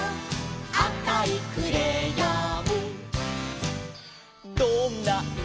「あおいクレヨン」